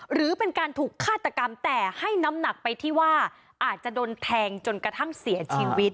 หรือเป็นการถูกฆาตกรรมแต่ให้น้ำหนักไปที่ว่าอาจจะโดนแทงจนกระทั่งเสียชีวิต